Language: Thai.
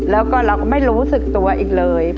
แล้วก็เราก็ไม่รู้สึกตัวอีกเลย